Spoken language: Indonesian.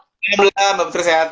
alhamdulillah mbak putri sehat